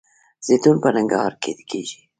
زیتون په ننګرهار کې کیږي